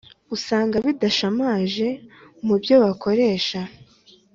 usanga ridashamaje mubyo bakoresha